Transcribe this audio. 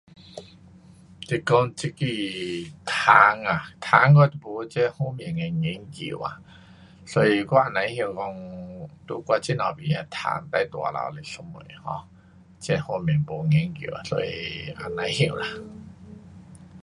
你说这个虫啊，虫我没这方面的研究啊。所以我也不懂讲在我这边的虫最大只是什么 um。这方面没研究啊，所以也不知啦。